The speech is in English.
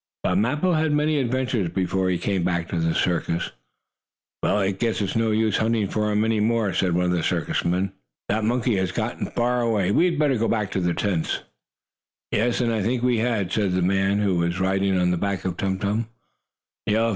But Mappo had many adventures before he came back to the circus. "Well, I guess it's no use hunting for him any more," said one of the circus men. "That monkey has gotten far away. We had better go back to the tents." "Yes, I think we had," said the man who was riding on the back of Tum Tum.